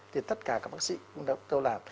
thì tất cả các bác sĩ cũng đã kêu làm